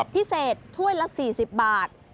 พิเศษถ้วยละ๔๐บาท